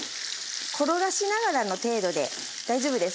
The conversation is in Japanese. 転がしながらの程度で大丈夫です。